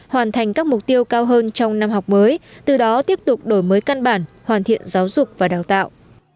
hoàn thành các mục tiêu cao hơn trong năm học mới từ đó tiếp tục đổi mới căn bản hoàn thiện giáo dục và đào tạo